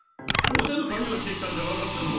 表の紙を見てきたんじゃなかったの？